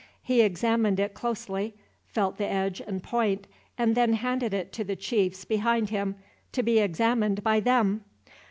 He examined it closely, felt the edge and point, and then handed it to the chiefs behind him, to be examined by them.